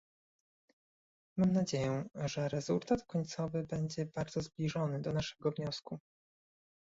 Mam nadzieję, że rezultat końcowy będzie bardzo zbliżony do naszego wniosku